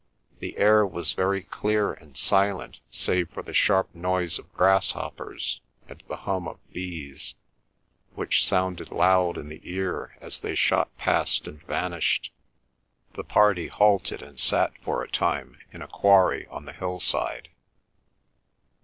The air was very clear and silent save for the sharp noise of grasshoppers and the hum of bees, which sounded loud in the ear as they shot past and vanished. The party halted and sat for a time in a quarry on the hillside.